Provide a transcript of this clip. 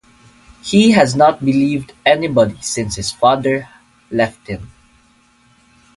He has not believed anybody since his father left him.